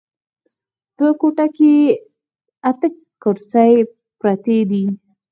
په کوټه کې اته کرسۍ پرتې دي.